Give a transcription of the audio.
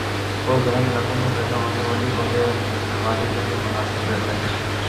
اور گرم علاقوں میں پیدا ہونے والے پودے اگانے کیلئے مناسب رہتا ہے